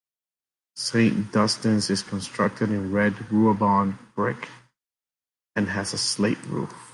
Saint Dunstan's is constructed in red Ruabon brick and has a slate roof.